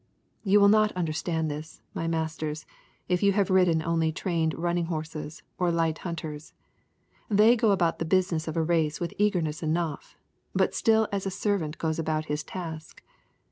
You will not understand this, my masters, if you have ridden only trained running horses or light hunters. They go about the business of a race with eagerness enough, but still as a servant goes about his task.